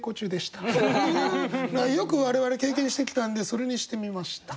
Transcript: よく我々経験してきたんでそれにしてみました。